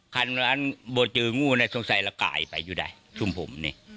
ค่ะแล้วมันเจองูน่ะสงสัยละกายไปอยู่ได้ช่วงผมเนี่ย